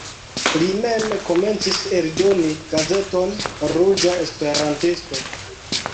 Li mem komencis eldoni gazeton "Ruĝa Esperantisto".